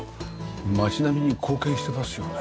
町並みに貢献してますよね。